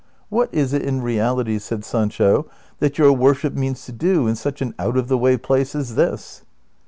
"What is it in reality," said Sancho, ''that yoiir worship means to do in such an out of the way place as this